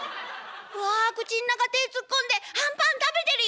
うわ口ん中手ぇ突っ込んであんパン食べてるよ」。